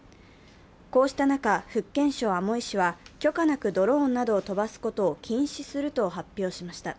こうした中、福建省厦門市は許可なくドローンなどを飛ばすことを禁止すると発表しました。